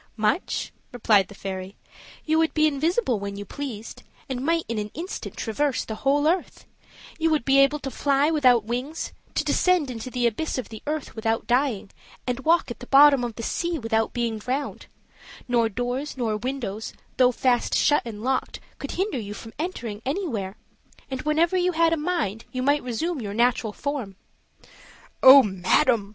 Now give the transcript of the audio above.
"Much," replied the fairy, "you would be invisible when you pleased, and might in an instant traverse the whole earth; you would be able to fly without wings, to descend into the abyss of the earth without dying, and walk at the bottom of the sea without being drowned; nor doors, nor windows, though fast shut and locked, could hinder you from entering anywhere; and whenever you had a mind, you might resume your natural form." "Oh, madam!"